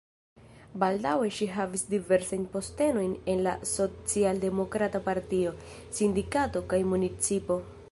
Baldaŭe ŝi havis diversajn postenojn en la socialdemokrata partio, sindikato kaj municipo.